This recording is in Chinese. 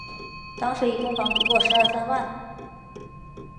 当时一栋房不过十二三万